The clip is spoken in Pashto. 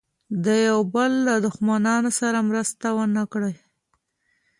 د یوه بل له دښمنانو سره مرسته ونه کړي.